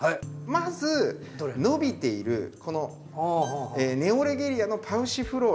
まず伸びているこのネオレゲリアのパウシフローラ。